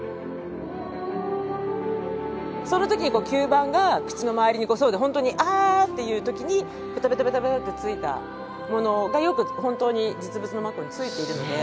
その時に吸盤が口の周りに本当に「あ！」っていう時にベタベタベタベタってついたものがよく本当に実物のマッコウについているので。